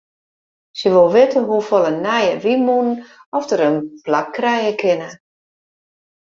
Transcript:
Sy wol witte hoefolle nije wynmûnen oft dêr in plak krije kinne.